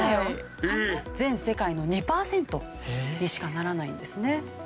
全世界の２パーセントにしかならないんですね。